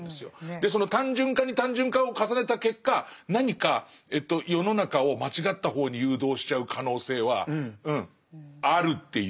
でその単純化に単純化を重ねた結果何かえっと世の中を間違った方に誘導しちゃう可能性はうんあるっていう。